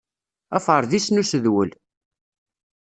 Aferdis n usedwel.